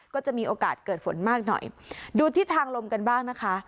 ก็จะมีโอกาสเกิดฝนมากหน่อยดูทิศทางลมกันบ้างนะคะ